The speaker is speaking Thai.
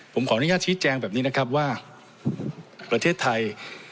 ผมขออนุญาตชี้แจงแบบนี้นะครับว่าประเทศไทย